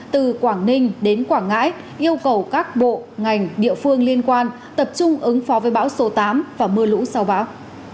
từ quảng ninh đến quảng ngãi yêu cầu các bộ ngành địa phương liên quan tập trung ứng phó với bão số tám và mưa lũ sau bão